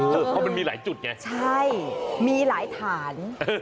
เพราะมันมีหลายจุดไงใช่มีหลายฐาน